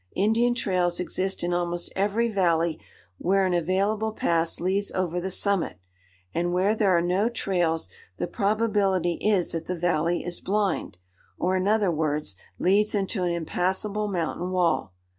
Indian trails exist in almost every valley where an available pass leads over the summit, and where there are no trails the probability is that the valley is blind, or, in other words, leads into an impassable mountain wall.